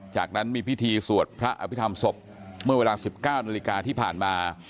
จากนั้นมีพิธีสวดพระอภิษฐรรมศพเมื่อเวลา๑๙นาฬิกาที่ผ่านมา